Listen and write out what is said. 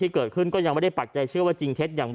เกิดขึ้นก็ยังไม่ได้ปักใจเชื่อว่าจริงเท็จอย่าง